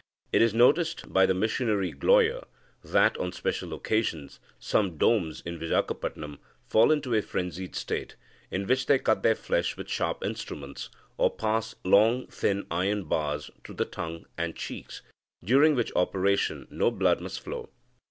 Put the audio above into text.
It is noticed by the missionary Gloyer that, on special occasions, some Dombs in Vizagapatam fall into a frenzied state, in which they cut their flesh with sharp instruments, or pass long, thin iron bars through the tongue and cheeks, during which operation no blood must flow.